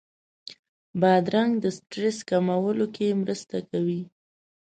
بادرنګ د سټرس کمولو کې مرسته کوي.